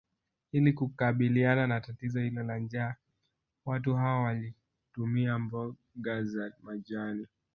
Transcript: Ili kukabiliana na tatizo hilo la njaa watu hao walitumia mboga za majani